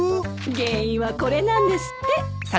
原因はこれなんですって。